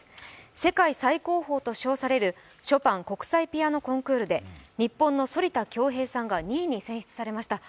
世界最高峰と称されるショパン国際ピアノコンクールで日本の反田恭平さんが２位に選出されました。